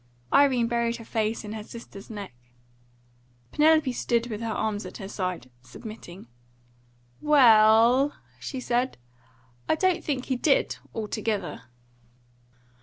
Irene buried her face in her sister's neck. Penelope stood with her arms at her side, submitting. "Well," she said, "I don't think he did, altogether."